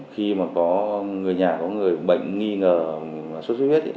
khi mà có người nhà có người bệnh nghi ngờ sốt xuất huyết